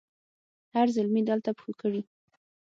هر زلمي دلته پښو کړي